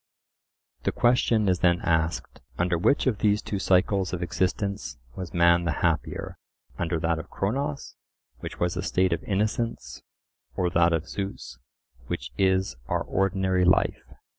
The question is then asked, under which of these two cycles of existence was man the happier,—under that of Cronos, which was a state of innocence, or that of Zeus, which is our ordinary life?